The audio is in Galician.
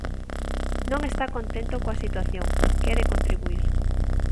Non está contento coa situación, quere contribuír.